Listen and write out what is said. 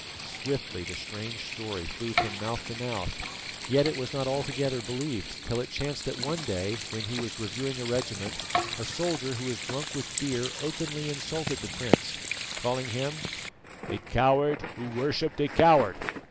Swiftly the strange story flew from mouth to mouth, yet it was not altogether believed till it chanced that one day when he was reviewing a regiment, a soldier who was drunk with beer openly insulted the prince, calling him "a coward who worshipped a coward."